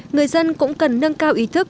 người dân cũng cần nâng cao ý thức